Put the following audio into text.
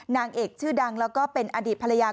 นางเอกชื่อดังแล้วก็เป็นอดีตภรรยา